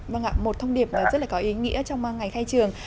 vâng ạ một thông điệp rất là có ý nghĩa trong ngày khai trường